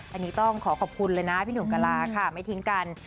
อันนี้ต้องขอขอบคุณเลยนะพี่หนุ่มกะลาค่ะไม่ทิ้งกัน